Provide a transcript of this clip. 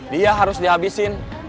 dia harus dihabisin